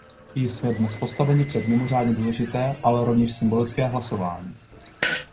Jsme dnes postaveni před mimořádně důležité, ale rovněž symbolické hlasování.